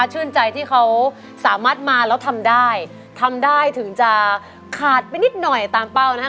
ชื่นใจที่เขาสามารถมาแล้วทำได้ทำได้ถึงจะขาดไปนิดหน่อยตามเป้านะครับ